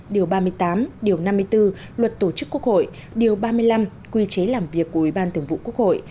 điều ba mươi tám điều năm mươi bốn luật tổ chức quốc hội điều ba mươi năm quy chế làm việc của ủy ban thường vụ quốc hội